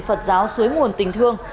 phật giáo suối nguồn tình thương